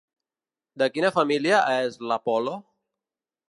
De quina família és l'apol·lo?